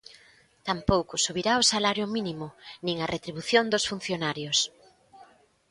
Tampouco subirá o salario mínimo nin a retribución dos funcionarios.